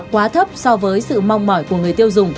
quá thấp so với sự mong mỏi của người tiêu dùng